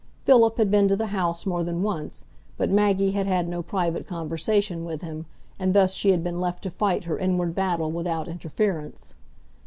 Philip had been to the house more than once, but Maggie had had no private conversation with him, and thus she had been left to fight her inward battle without interference.